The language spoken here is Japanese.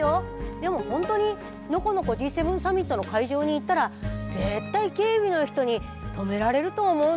でも本当にのこのこＧ７サミットの会場に行ったら絶対警備の人に止められると思うのよね。